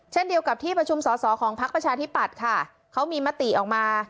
เช่นเดียวกับที่ประชุมสอสอของพักประชาธิปัตย์ค่ะเขามีมติออกมา